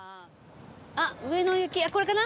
あっ上野行きこれかな？